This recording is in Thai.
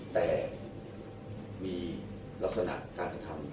แต่มีลักษณะการกระทำ